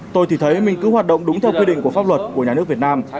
tôi thì thấy mình cứ hoạt động đúng theo quy định của pháp luật của nhà nước việt nam